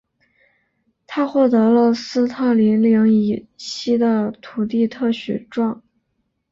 他获得了斯特林岭以西的土地特许状。